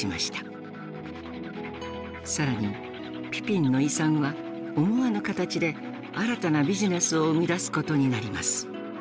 更にピピンの遺産は思わぬ形で新たなビジネスを生み出すことになります。